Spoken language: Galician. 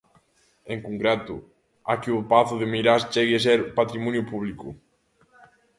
En concreto, a que o Pazo de Meirás chegue a ser patrimonio público.